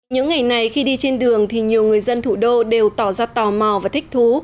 những ngày này khi đi trên đường thì nhiều người dân thủ đô đều tỏ ra tò mò và thích thú